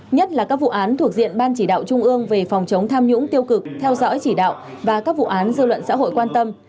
nhất là các vụ án thuộc diện ban chỉ đạo trung ương về phòng chống tham nhũng tiêu cực theo dõi chỉ đạo và các vụ án dư luận xã hội quan tâm